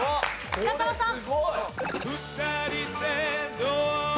深澤さん。